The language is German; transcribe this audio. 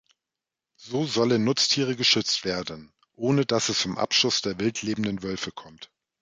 So sollen Nutztiere geschützt werden, ohne dass es zum Abschuss der wildlebenden Wölfe kommt.